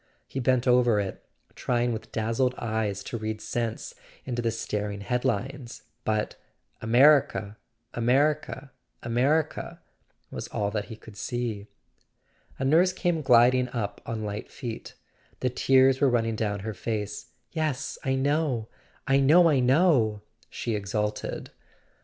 He bent over it, trying with dazzled eyes to read sense into the staring head lines: but "America—America —America " was all that he could see. A nurse came gliding up on light feet: the tears were running down her face. "Yes—I know, I know, I [ 403 ] A SON AT THE FRONT know!" she exulted.